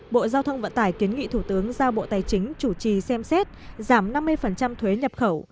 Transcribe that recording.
bộ giao thông vận tải kiến nghị thủ tướng giao bộ tài chính chủ trì xem xét giảm năm mươi thuế nhập khẩu